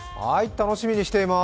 楽しみにしています。